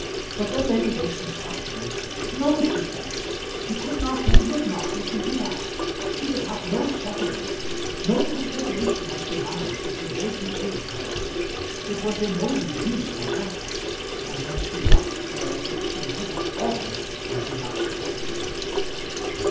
But then Lady Mason stopped him. "No," she said, "she could not, and would not, listen to that. She would have no settlement. No consideration as to money should be made to weigh with her. It was in no degree for that " And then she wept there till she would have fallen had he not supported her.